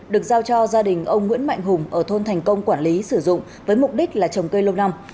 được giao cho gia đình ông nguyễn mạnh hùng ở thôn thành công quản lý sử dụng với mục đích là trồng cây lâu năm